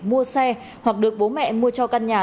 mua xe hoặc được bố mẹ mua cho căn nhà